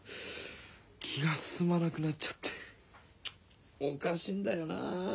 気がすすまなくなっちゃっておかしいんだよな。